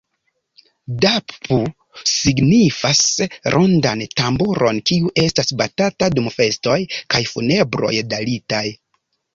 Dappu signifas rondan tamburon, kiu estas batata dum festoj kaj funebroj dalitaj.